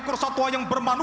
tidak hati hati lagi